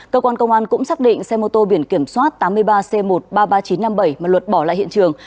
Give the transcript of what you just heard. cơ quan công an cũng xác định xe mô tô biển kiểm soát tám mươi ba c một trăm ba mươi ba nghìn chín trăm năm mươi bảy mà luật bỏ lại hiện trường